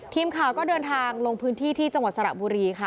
ทีมข่าวก็เดินทางลงพื้นที่ที่จังหวัดสระบุรีค่ะ